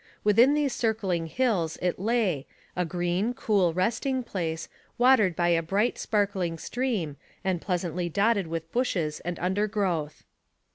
Within these circling hills it lay, a green, cool resting place, watered by a bright sparkling stream, and pleasantly dotted with bushes and undergrowth.